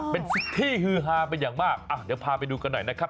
เป็นที่ฮือฮาเป็นอย่างมากเดี๋ยวพาไปดูกันหน่อยนะครับ